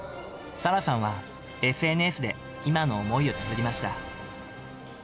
沙羅さんは、ＳＮＳで今の思いをつづりました。